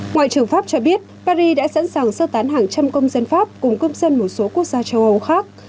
ngoại trưởng pháp cho biết paris đã sẵn sàng sơ tán hàng trăm công dân pháp cùng công dân một số quốc gia châu âu khác